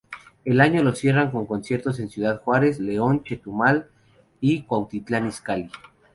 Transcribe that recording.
El año lo cierran con conciertos en Ciudad Juárez, León, Chetumal y Cuautitlán Izcalli.